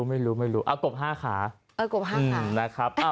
ไม่รู้กบ๕ขาเออกบ๕ขานะครับ